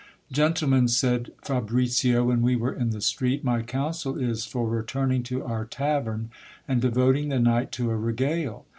Gentle men, said Fabricio, when we were in the street, my counsel is for returning to our tavern, and devoting the night to a regale.